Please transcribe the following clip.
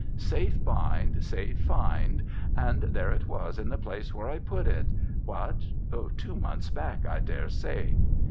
"Safe bind, safe find," and there it was in the place where I'd put it what? two months back, I daresay.'